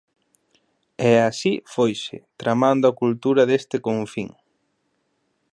E así foise tramando a cultura deste confín.